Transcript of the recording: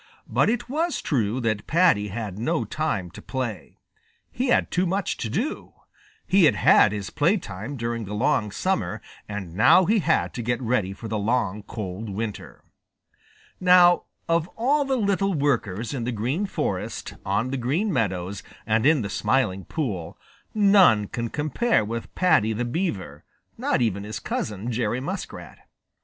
But it was true that Paddy had no time to play. He had too much to do. He had had his playtime during the long summer, and now he had to get ready for the long cold winter. Now of all the little workers in the Green Forest, on the Green Meadows, and in the Smiling Pool, none can compare with Paddy the Beaver, not even his cousin, Jerry Muskrat.